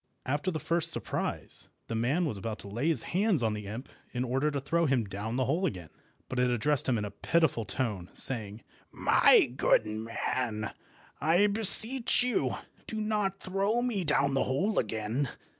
After the first surprise, the man was about to lay his hands on the imp in order to throw him down the hole again; but it addressed him in a pitiful tone, saying— "My good man, I beseech you do not throw me down the hole again.